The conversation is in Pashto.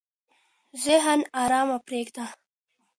ذهن ارام پرېږده.